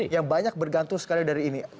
yang banyak bergantung sekali dari ini